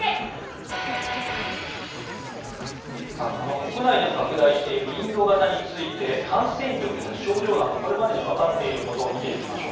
国内でも拡大しているインド型について感染力や症状などこれまでに分かっていることを見ていきましょう。